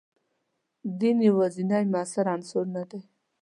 دین یوازینی موثر عنصر نه دی.